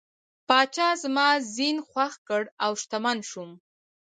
پاچا زما زین خوښ کړ او شتمن شوم.